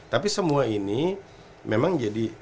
tapi semua ini memang jadi